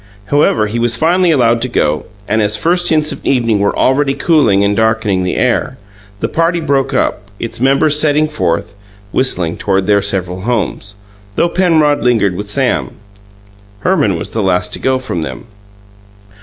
However, he was finally allowed to go, and, as first hints of evening were already cooling and darkening the air, the party broke up, its members setting forth, whistling, toward their several homes, though Penrod lingered with Sam. Herman was the last to go from them.